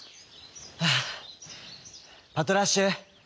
「はあパトラッシュ。